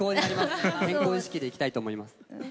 健康意識でいきたいと思います。